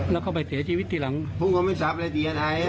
แล้วเขาไปเสียชีวิตตีหลังผมก็ไม่ทราบเลยผมมีอันไง